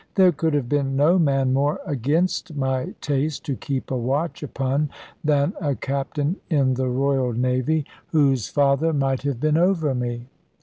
There could have been no man more against my taste to keep a watch upon than a captain in the royal navy, whose father might have been over me.